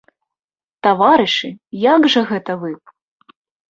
Таварышы, як жа гэта вы?